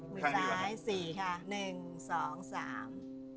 มือซ้ายสี่ค่ะหนึ่งสองสาม